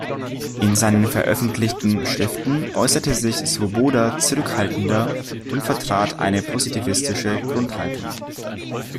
In seinen veröffentlichten Schriften äußerte sich Swoboda zurückhaltender und vertrat eine positivistische Grundhaltung.